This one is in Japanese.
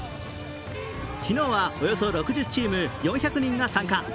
昨日は、およそ６０チーム４００人が参加。